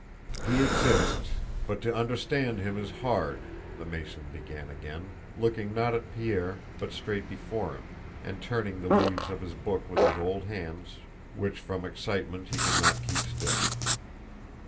"He exists, but to understand Him is hard," the Mason began again, looking not at Pierre but straight before him, and turning the leaves of his book with his old hands which from excitement he could not keep still.